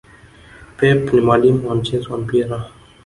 pep ni mwalimu wa mchezo wa mpira